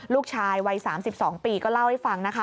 ลูกชายวัย๓๒ปีก็เล่าให้ฟังนะคะ